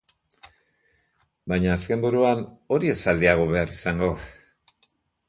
Baina, azken buruan, hori ere ez diagu behar izango.